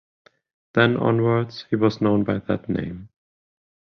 Then onwards he was known by that name.